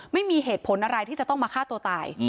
ไม่มีเหตุผลอะไรที่จะต้องมาฆ่าตัวตาย